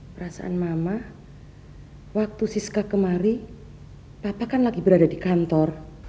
perasaan mama waktu siska kemari papa kan lagi berada di kantor